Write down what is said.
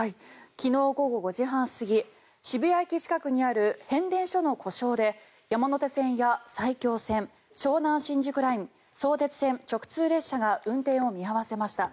昨日午後５時半過ぎ渋谷駅近くにある変電所の故障で山手線や埼京線湘南新宿ライン相鉄線直通列車が運転を見合わせました。